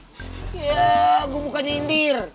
ya gua bukan nyindir